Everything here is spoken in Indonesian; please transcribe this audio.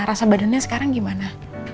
rasa badannya sekarang gimana